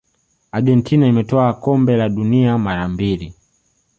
argentina imetwaa kombe la dunia mara mbili